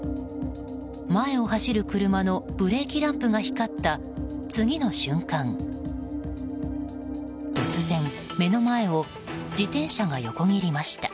前を走る車のブレーキランプが光った次の瞬間、突然目の前を自転車が横切りました。